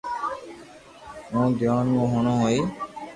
ھين دييون مون ھوڻتو ھوئي